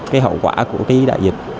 cái hậu quả của cái đại dịch